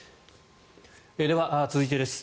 では、続いてです。